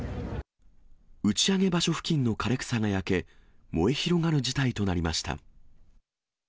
打ち上げ場所付近の枯れ草が焼け、燃え広がる事態となりました。